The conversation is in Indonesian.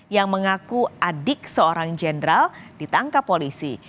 yang mengaku adik seorang jenderal ditangkap polisi